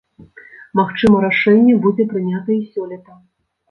Магчыма рашэнне будзе прынята і сёлета.